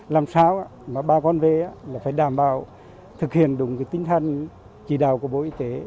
làm sao mà ba con về là phải đảm bảo thực hiện đúng tính thân chỉ đạo của bộ y tế